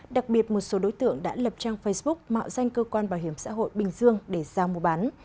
đặc biệt một số đối tượng đã lập trang facebook mạo danh cơ quan bảo hiểm xã hội bình dương để giao mua bán